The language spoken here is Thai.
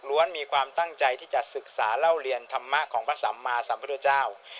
มีความตั้งใจที่จะศึกษาเล่าเรียนธรรมะของพระสัมมาสัมพุทธเจ้า